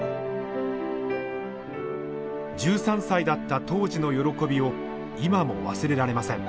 １３歳だった当時の喜びを今も忘れられません。